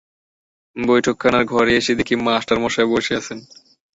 বৈঠকখানার ঘরে এসে দেখি মাস্টারমশায় বসে আছেন।